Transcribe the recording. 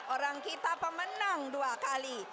orang kita pemenang dua kali